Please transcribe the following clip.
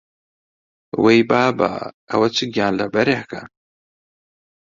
وەی بابە، ئەوە چ گیانلەبەرێکە!